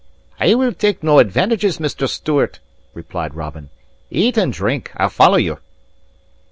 "I will take no advantages, Mr. Stewart," replied Robin. "Eat and drink; I'll follow you."